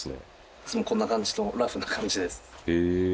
いつもこんな感じのラフな感じです。